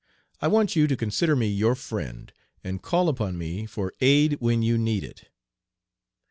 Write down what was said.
I want you to consider me your friend, and call upon me for aid when you need it.'